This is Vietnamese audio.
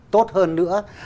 tốt hơn nữa